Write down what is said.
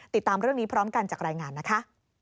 ติดตามเรื่องนี้พร้อมกันจากรายงานนะคะ